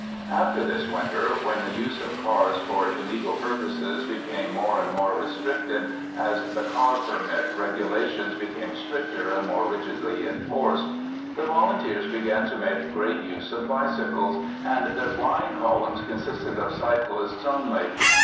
After this winter, when the use of cars for illegal purposes became more and more restricted as the car permit regulations became stricter and more rigidly enforced, the Volunteers began to make great use of bicycles, and their flying columns consisted of cyclists only.